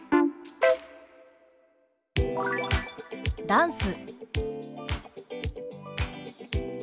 「ダンス」。